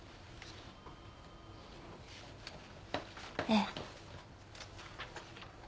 ええ。